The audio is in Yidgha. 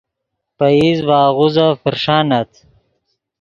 پئیز ڤے آغوزف پرݰانت